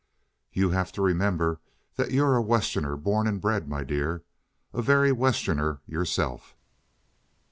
"You have to remember that you're a Westerner born and bred, my dear. A very Westerner yourself!"